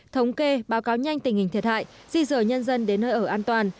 thống kê báo cáo nhanh tình hình thiệt hại di dời nhân dân đến nơi ở an toàn